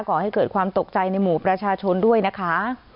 ก่อให้เกิดความตกใจในหมู่ประชาชนด้วยนะคะ